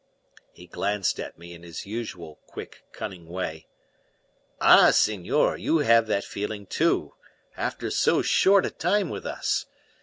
He glanced at me in his usual quick, cunning way. "Ah, senor, you have that feeling too after so short a time with us!